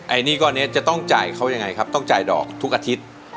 อันนี้ก้อนนี้จะต้องจ่ายเขายังไงครับต้องจ่ายดอกทุกอาทิตย์